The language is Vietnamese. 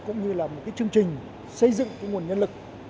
cũng như là một cái chương trình xây dựng cái nguồn nhân lực